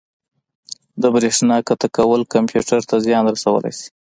د بریښنا قطع کول کمپیوټر ته زیان رسولی شي.